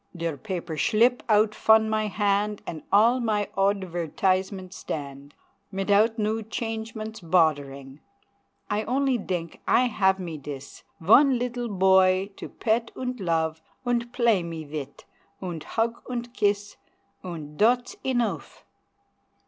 Der paper schlip out fon my hand, And all my odvairtizement stand, Mitout new changements boddering; I only dink I have me dis Von leedle boy to pet unt love Unt play me vit, unt hug unt kiss Unt dot's enough!